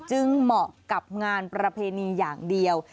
เหมาะกับงานประเพณีอย่างเดียว